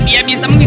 tidak tidak tidak